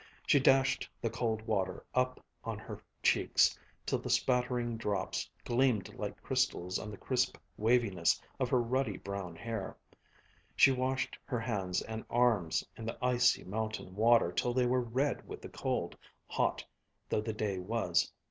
She dashed the cold water up on her cheeks till the spattering drops gleamed like crystals on the crisp waviness of her ruddy brown hair. She washed her hands and arms in the icy mountain water till they were red with the cold, hot though the day was.